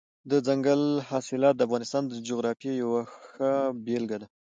دځنګل حاصلات د افغانستان د جغرافیې یوه ښه بېلګه ده.